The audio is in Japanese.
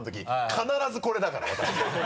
必ずこれだから私ね。